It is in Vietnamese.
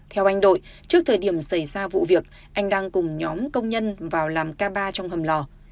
theo anh đội trước thời điểm xảy ra vụ việc anh đang cùng nhóm công nhân vào làm ca ba trong hầm lò